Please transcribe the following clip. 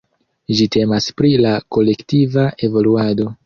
Ĝi temas pri la kolektiva evoluado.